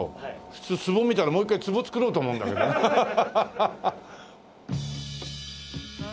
普通壺見たらもう一回壺作ろうと思うんだけどハハハハ。